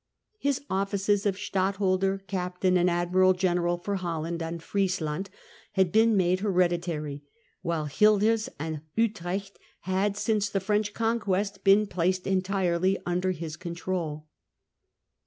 His offices of Stadtholder, Captain and Admiral General for Hol land and Friesland, had been made hereditary; while Guelders and Utrecht had, since the French conquest, been placed entirely under his control.